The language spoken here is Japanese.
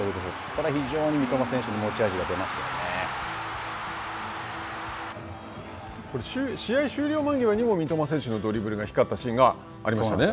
これは非常に三笘選手の持ち味が試合終了間際にも三笘選手のドリブルが光ったシーンがありましたね。